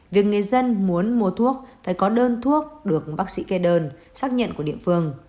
việc người dân muốn mua thuốc phải có đơn thuốc được bác sĩ kê đơn xác nhận của địa phương